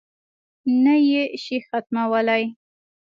نه یې شي ختمولای.